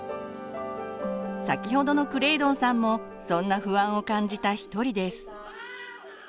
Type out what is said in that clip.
先ほどのクレイドンさんもそんな不安を感じた一人です。